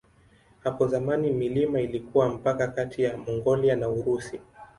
Hapo zamani milima ilikuwa mpaka kati ya Mongolia na Urusi.